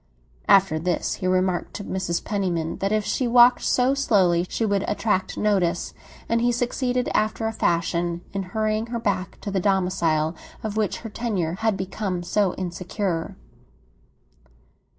After this he remarked to Mrs. Penniman that if she walked so slowly she would attract notice, and he succeeded, after a fashion, in hurrying her back to the domicile of which her tenure had become so insecure.